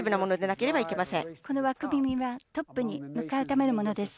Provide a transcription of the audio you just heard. この枠組みはトップに向かうためのものです。